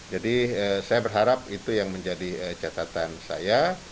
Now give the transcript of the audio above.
jadi saya berharap itu yang menjadi catatan saya